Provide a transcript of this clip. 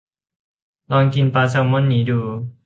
ลองกินปลาแซลมอนนี้ดู